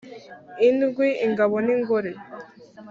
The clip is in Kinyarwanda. Indwi ingabo n ingore